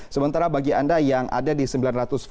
sementara bagi anda yang ada di sembilan ratus v